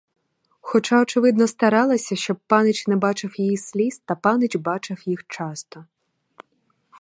Хоча очевидно старалася, щоб панич не бачив її сліз, та панич бачив їх часто.